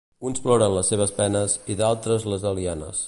Uns ploren les seves penes i d'altres les alienes.